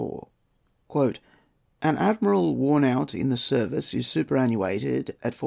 An admiral, worn out in the service, is superannuated at 410£.